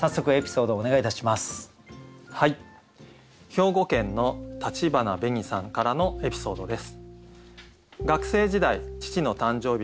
兵庫県の立花紅さんからのエピソードです。